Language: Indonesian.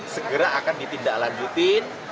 segera akan ditindaklanjutin